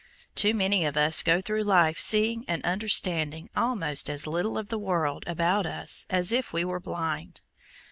Too many of us go through life seeing and understanding almost as little of the world about us as if we were blind.